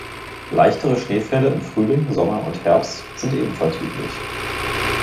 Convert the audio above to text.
Leichtere Schneefälle im Frühling, Sommer und Herbst sind ebenfalls üblich.